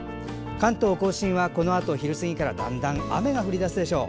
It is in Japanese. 関東・甲信はこのあと昼過ぎからだんだん雨が降り出すでしょう。